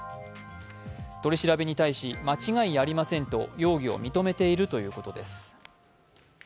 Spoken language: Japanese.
取り調べに対し、間違いありませんと容疑を認めているということです。